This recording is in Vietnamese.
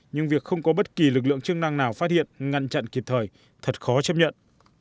nhưng việc không có bất kỳ lực lượng chức năng nào phát hiện ngăn chặn kịp thời thật khó chấp nhận